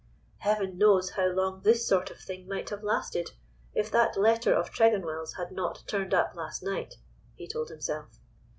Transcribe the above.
"Heaven knows how long this sort of thing might have lasted, if that letter of Tregonwell's had not turned up last night," he told himself.